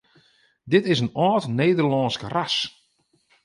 Dit is in âld Nederlânsk ras.